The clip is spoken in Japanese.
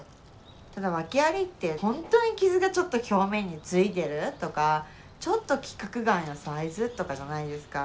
ただワケありってほんとに傷がちょっと表面についてるとかちょっと規格外のサイズとかじゃないですか。